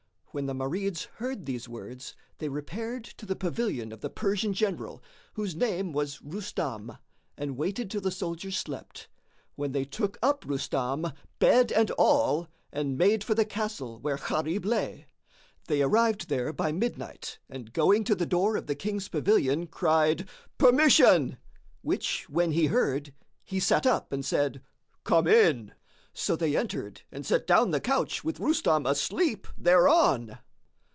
When the Marids heard these words, they repaired to the pavilion of the Persian general, whose name was Rustam, and waited till the soldiers slept, when they took up Rustam, bed and all, and made for the castle where Gharib lay. They arrived there by midnight and going to the door of the King's pavilion, cried, "Permission!" which when he heard, he sat up and said, "Come in." So they entered and set down the couch with Rustam asleep thereon.